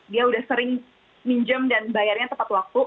dia udah sering minjem dan bayarnya tepat waktu